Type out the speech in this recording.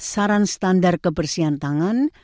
saran standar kebersihan tangan